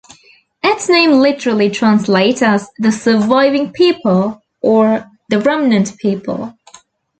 Its name literally translates as "the surviving people" or "the remnant people".